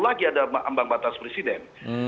lagi ada ambang batas presiden